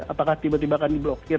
apakah tiba tiba akan di blokir